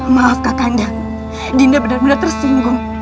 maaf kakaknya dinda benar benar tersinggung